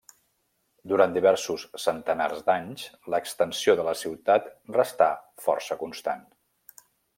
Durant diversos centenars d'anys, l'extensió de la ciutat restà força constant.